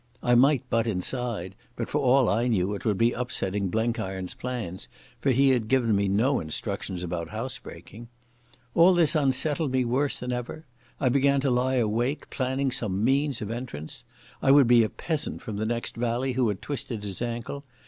I might butt inside, but for all I knew it would be upsetting Blenkiron's plans, for he had given me no instructions about housebreaking. All this unsettled me worse than ever. I began to lie awake planning some means of entrance.... I would be a peasant from the next valley who had twisted his ankle....